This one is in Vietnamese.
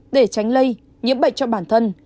để tránh lây nhiễm bệnh cho bản thân